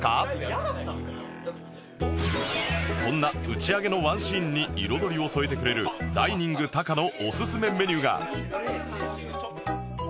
こんな打ち上げのワンシーンに彩りを添えてくれるダイニング貴のおすすめメニューが